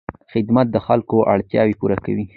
خدمت د خلکو اړتیاوې پوره کوي.